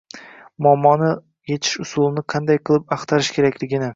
muammolarni yechish usulini qanday qilib axtarish kerakligini